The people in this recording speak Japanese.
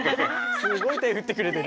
すごい手振ってくれてる。